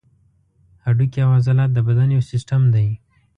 هډوکي او عضلات د بدن یو سیستم دی.